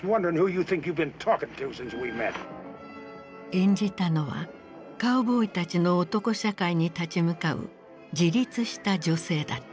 演じたのはカウボーイたちの男社会に立ち向かう自立した女性だった。